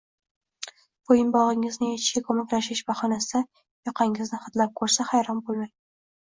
Bo’yinbog’ingizni yechishga ko’maklashish bahonasida yoqangizni hidlab ko’rsa, hayron bo’lmang.